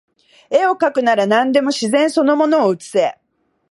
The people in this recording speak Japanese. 画をかくなら何でも自然その物を写せ